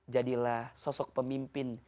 jadilah sosok pemimpin